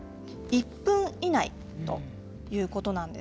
１分以内ということなんですよね。